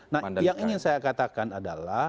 nah yang ingin saya katakan adalah